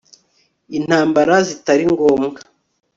intambara zitari ngombwa